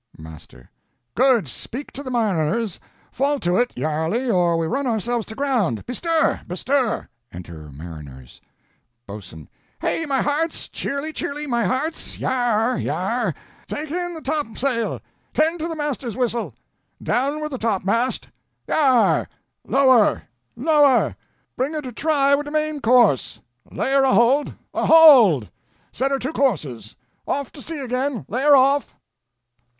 Master. Good, speak to the mariners: fall to 't, yarely, or we run ourselves to ground; bestir, bestir! (Enter Mariners.) Boatswain. Heigh, my hearts! cheerly, cheerly, my hearts! yare, yare! Take in the topsail. Tend to the master's whistle.... Down with the topmast! yare! lower, lower! Bring her to try wi' the main course.... Lay her a hold, a hold! Set her two courses. Off to sea again; lay her off.